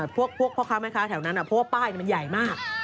พวกพ่อค้าแม่ค้าแถวนั้นเพราะว่าป้ายมันใหญ่มาก